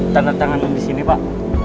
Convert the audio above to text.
tanda tangan di sini pak